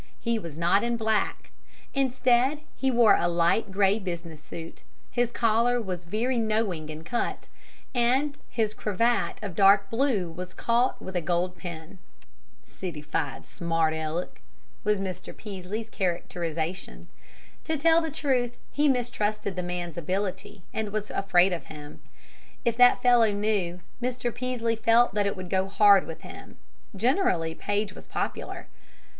He was not in black. Instead, he wore a light gray business suit, his collar was very knowing in cut, and his cravat of dark blue was caught with a gold pin. "Citified smart Aleck," was Mr. Peaslee's characterization. To tell the truth, he mistrusted the man's ability, and was afraid of him. If that fellow knew, Mr. Peaslee felt that it would go hard with him. Generally, Paige was popular.